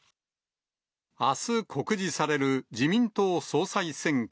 あす告示される自民党総裁選挙。